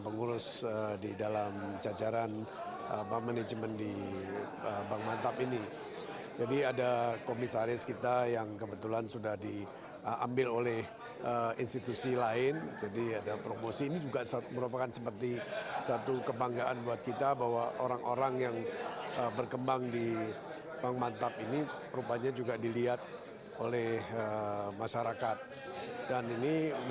pembangunan pembangunan pembangunan